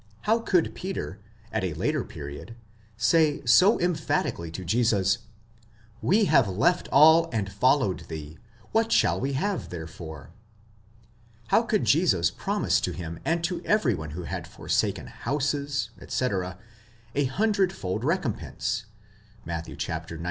How could Peter, at a later period, say so em phatically to Jesus, We have left all, and followed thee: what shall we have therefore ?—how could Jesus promise to him and to every one who had for saken houses, etc., a hundredfold recompense (Matt. xix.